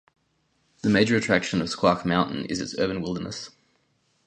The major attraction of Squak Mountain is its urban wilderness.